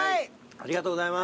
ありがとうございます。